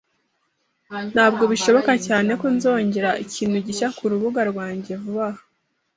Ntabwo bishoboka cyane ko nzongera ikintu gishya kurubuga rwanjye vuba aha